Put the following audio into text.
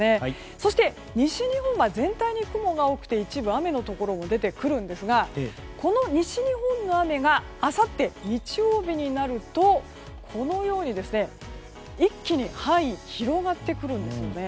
そして、西日本は全体に雲が多くて一部、雨のところも出てくるんですがこの西日本の雨があさって、日曜日になるとこのように、一気に範囲が広がってくるんです。